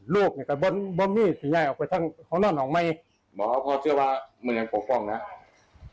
ลูกเนี่ยก็บนบนนี่ที่ยายออกไปทางห้องนอนออกมาอีกหมอก็เชื่อว่ามันยังปกป้องนะครับ